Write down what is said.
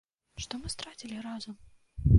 Што мы страцілі разам?